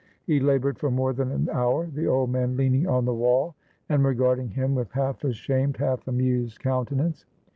He laboured for more than an hour, the old man leaning on the wall and regarding him with half ashamed, half amused countenance.